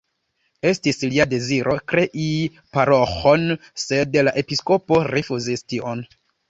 Estis lia deziro krei paroĥon, sed la episkopo rifuzis tion.